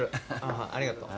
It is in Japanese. ありがとう。